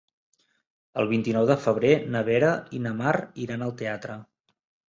El vint-i-nou de febrer na Vera i na Mar iran al teatre.